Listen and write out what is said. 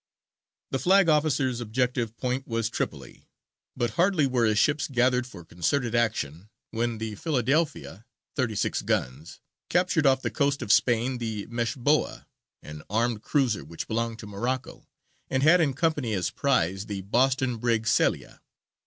The flag officer's objective point was Tripoli, but hardly were his ships gathered for concerted action, when the Philadelphia, thirty six guns, captured off the coast of Spain the Meshboa, an armed cruiser which belonged to Morocco, and had in company as prize the Boston brig Celia.